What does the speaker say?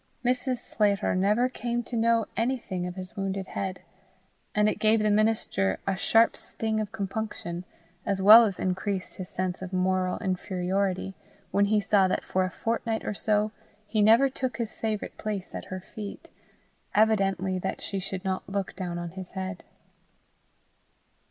Mrs. Sclater never came to know anything of his wounded head, and it gave the minister a sharp sting of compunction, as well as increased his sense of moral inferiority, when he saw that for a fortnight or so he never took his favourite place at her feet, evidently that she should not look down on his head.